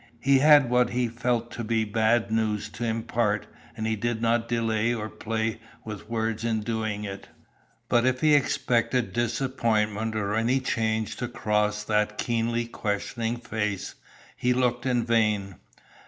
He had what he felt to be bad news to impart, and he did not delay or play with words in the doing it. But if he had expected disappointment or any change to cross that keenly questioning face, he looked in vain.